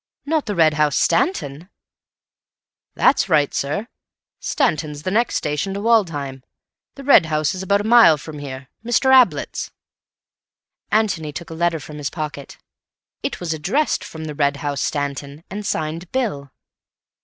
Not the Red House, Stanton?" "That's right, sir. Stanton's the next station to Woodham. The Red House is about a mile from here—Mr. Ablett's." Antony took a letter from his pocket. It was addressed from "The Red House, Stanton," and signed "Bill."